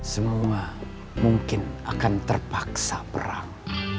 semua mungkin akan terpaksa perang